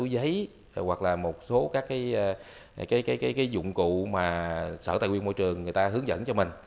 và lâu dài